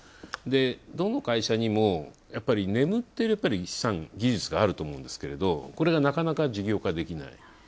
どの会社にも眠っている資産、技術があると思うんですけど、これがなかなか事業化できない。